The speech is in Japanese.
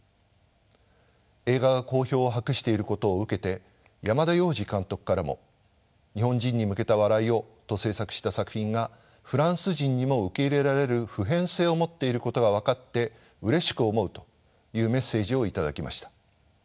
映画が好評を博していることを受けて山田洋次監督からも「『日本人に向けた笑いを』と製作した作品がフランス人にも受け入れられる普遍性を持っていることが分かってうれしく思う」というメッセ―ジを頂きました。